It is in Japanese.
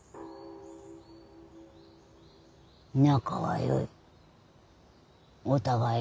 仲はよい。